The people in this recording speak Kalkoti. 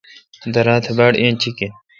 درا تہ باڑ اینچیک این۔